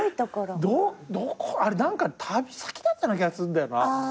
どこあれ何か旅先だったような気がすんだよな。